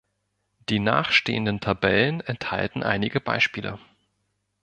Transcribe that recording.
Die nachstehenden Tabellen enthalten einige Beispiele.